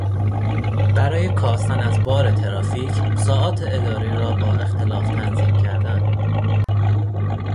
برای کاستن از بارترافیک ساعات اداری را با اختلاف تنظیم کردن